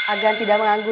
agar tidak menganggu